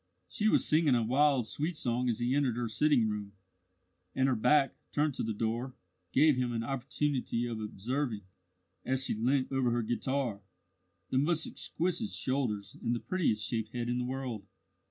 She was singing a wild sweet song as he entered her sitting room, and her back, turned to the door, gave him an opportunity of observing, as she leant over her guitar, the most exquisite shoulders and the prettiest shaped head in the world.